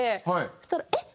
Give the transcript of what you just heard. そしたらえっ！